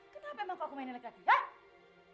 kenapa emang aku mainin laki laki